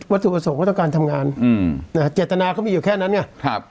วัตถุประสงค์ก็ต้องการทำงานอืมอ่าเจตนาเขามีอยู่แค่นั้นเนี่ยครับ